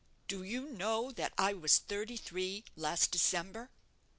Do you know that I was thirty three last December?"